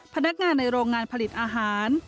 พนักงานในโรงงานผลิตอาหาร